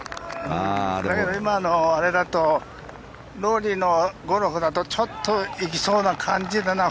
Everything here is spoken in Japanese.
今のあれだとローリーのゴルフだとちょっと行きそうな感じだな。